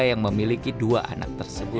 yang memiliki tanah yang berbeda